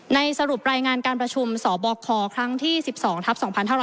สรุปรายงานการประชุมสบคครั้งที่๑๒ทัพ๒๕๖๒